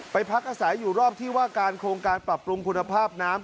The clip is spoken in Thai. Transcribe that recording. พักอาศัยอยู่รอบที่ว่าการโครงการปรับปรุงคุณภาพน้ำ